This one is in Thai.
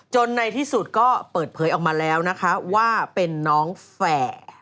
จนในที่สุดก็เปิดเผยออกมาแล้วว่าเป็นน้องแฟร์